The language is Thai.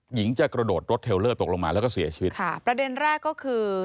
หญิงจะกระโดดรถเทลเลอร์ตกลงมาแล้วก็เสียชีวิตค่ะประเด็นแรกก็คือ